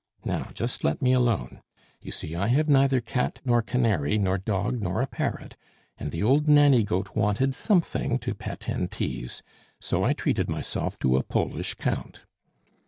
Now, just let me alone. You see, I have neither cat nor canary, neither dog nor a parrot, and the old Nanny Goat wanted something to pet and tease so I treated myself to a Polish Count."